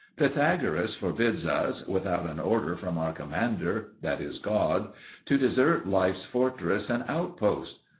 Pythagoras forbids us, without an order from our commander, that is God, to desert life's fortress and outpost.